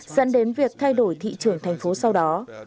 dẫn đến việc thay đổi thị trường thành phố sau đó